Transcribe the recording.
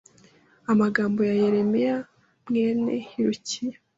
Amagambo ya Yeremiya mwene Hilukiya,